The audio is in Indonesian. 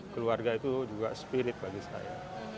keluarga itu juga spirit bagi saya